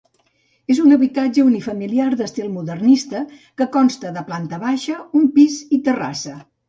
És un habitatge unifamiliar d'estil modernista que consta de planta baixa, un pis i terrassa.